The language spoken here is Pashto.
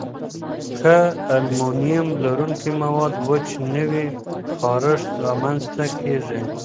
که المونیم لرونکي مواد وچ نه وي، خارښت رامنځته کېږي.